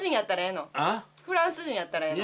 フランス人やったらええの？